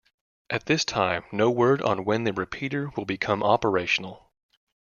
At this time, no word on when the repeater will become operational.